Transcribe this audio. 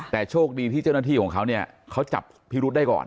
แต่โชคดีที่เจ้าหน้าที่ของเขาเนี่ยเขาจับพิรุษได้ก่อน